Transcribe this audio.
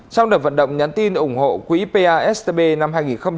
sau đợt vận động nhắn tin ủng hộ quỹ pa stb năm hai nghìn một mươi tám